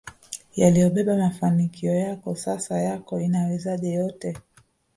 yaliyobeba mafanikio yako Sasa yako inawezaje yote